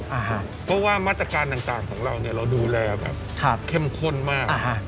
เพราะว่ามัตรการต่างของเราเราดูแลแบบเข้มข้นมาก